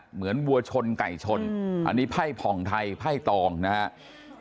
วัวชนไก่ชนอันนี้ไพ่ผ่องไทยไพ่ตองนะครับ